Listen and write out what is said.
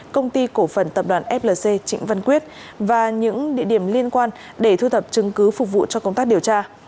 công ty cổ phần tập đoàn flc trịnh văn quyết và những địa điểm liên quan để thu thập chứng cứ phục vụ cho công tác điều tra